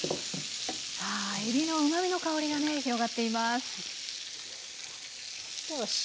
えびのうまみの香りがね広がっています。